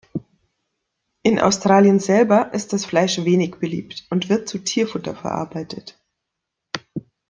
In Australien selber ist das Fleisch wenig beliebt und wird zu Tierfutter verarbeitet.